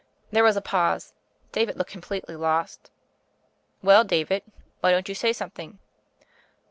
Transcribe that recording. There was a pause : David looked completely lost. "Well, David, why don't you say some thing?"